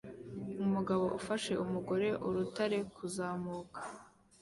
Umugabo ufasha umugore urutare kuzamuka